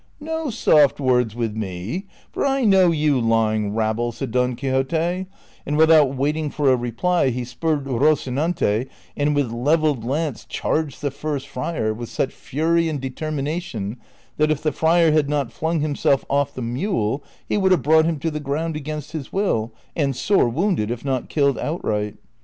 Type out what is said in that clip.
"No soft words with me, for I know you, lying rabble," said Don Quixote, and without waiting for a reply he spurred Rocinante and with levelled lance charged the first friar with such fury and determination that, if the friar had not flung himself off the mule, he would have brought him to the ground against his will, and sore wounded, if not killed outright.